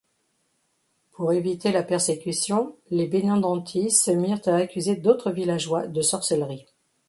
Pour éviter la persécution, les Benandanti se mirent à accuser d'autres villageois de sorcellerie.